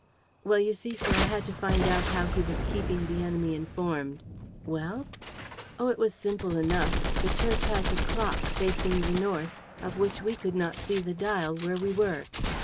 "Well, you see, sir, I had to find out how he was keeping the enemy informed." "Well?" "Oh, it was simple enough! The church has a clock, facing the north, of which we could not see the dial, where we were.